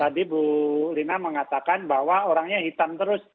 tadi bu lina mengatakan bahwa orangnya hitam terus